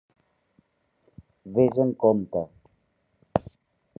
Ves amb compte.